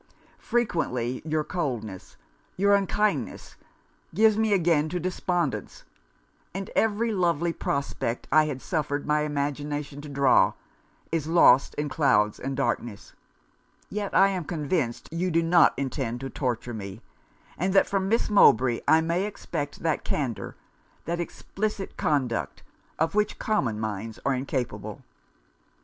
Frequently, your coldness, your unkindness, gives me again to despondence; and every lovely prospect I had suffered my imagination to draw, is lost in clouds and darkness. Yet I am convinced you do not intend to torture me; and that from Miss Mowbray I may expect that candour, that explicit conduct, of which common minds are incapable.